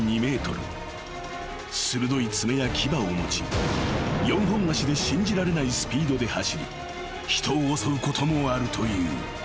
［鋭い爪や牙を持ち４本足で信じられないスピードで走り人を襲うこともあるという］